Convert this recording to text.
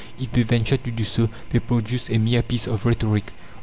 If they venture to do so, they produce a mere piece of rhetoric.